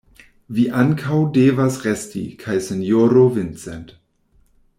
Vi ankaŭ devas resti, kaj sinjoro Vincent.